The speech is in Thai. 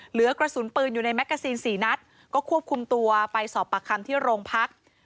เหลือกระสุนปืนอยู่ในแกซีนสี่นัดก็ควบคุมตัวไปสอบปากคำที่โรงพัก